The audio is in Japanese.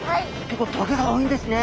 結構棘が多いんですね。